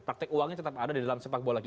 praktik uangnya tetap ada di dalam sepak bola kita